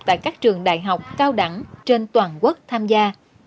tại các trường đại học cao đẳng trên toàn quốc tham gia